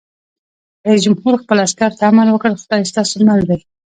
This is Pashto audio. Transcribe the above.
رئیس جمهور خپلو عسکرو ته امر وکړ؛ خدای ستاسو مل دی!